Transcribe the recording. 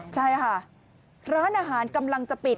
ใช่ค่ะร้านอาหารกำลังจะปิด